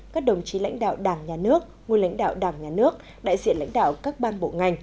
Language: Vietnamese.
các đồng chí lãnh đạo đảng nhà nước nguồn lãnh đạo đảng nhà nước đại diện lãnh đạo các ban bộ ngành